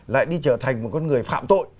lại đi trở thành một con người phạm tội